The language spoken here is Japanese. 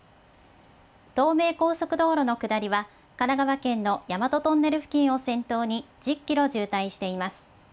東名高速道路の下りは、神奈川県の大和トンネル付近を先頭に１０キロ渋滞しています。